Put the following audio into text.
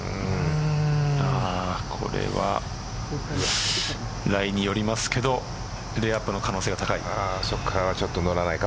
これはライによりますけどレイアップの可能性が高い。